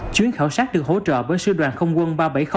chuyến khảo sát được hỗ trợ bởi sư đoàn không quân ba trăm bảy mươi